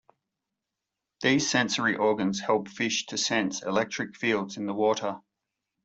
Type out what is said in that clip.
These sensory organs help fish to sense electric fields in the water.